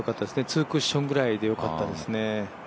ツークッションぐらいでよかったですね。